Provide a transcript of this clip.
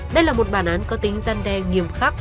đây là một bản án có tính gian đe nghiêm khắc